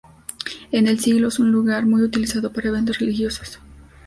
En el siglo es un lugar muy utilizado para eventos religiosos.